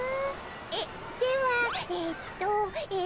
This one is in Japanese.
えっではえっとえっと。